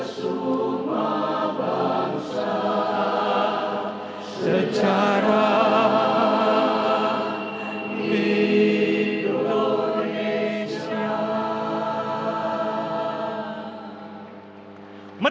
bung karno bapak kita semua